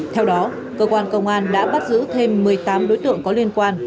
theo đó cơ quan công an đã bắt giữ thêm một mươi tám đối tượng có liên quan